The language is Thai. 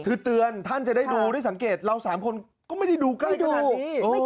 คือเตือนท่านจะได้ดูได้สังเกตเรา๓คนก็ไม่ได้ดูใกล้ขนาดนี้